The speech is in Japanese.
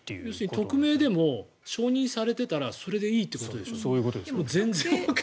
匿名でも承認されていたらそれでいいということでしょ？